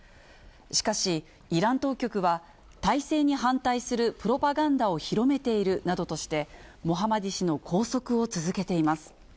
しかし、イラン当局は、体制に反対するプロパガンダを広めているなどとして、モハマディ氏の拘束を続けています。